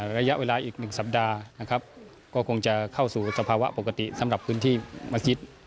ระยะเวลาอีก๑สัปดาห์นะครับก็คงจะเข้าสู่สภาวะปกติสำหรับพื้นที่เมื่อกี้